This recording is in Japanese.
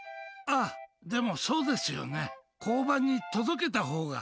あっ、でもそうですよね、交番に届けたほうが。